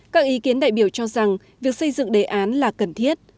các ý kiến đại biểu cho rằng việc xây dựng đề án là cần thiết